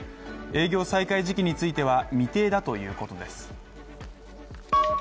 営業再開時期については未定だということです